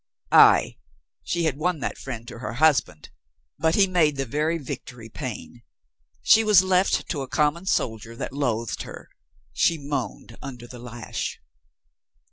Ay, she had won that friend to her husband, but he made the very victory pain. She was left to a common soldier that loathed her. She moaned under the lash.